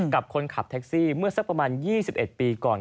กับคนขับแท็กซี่เมื่อสักประมาณ๒๑ปีก่อน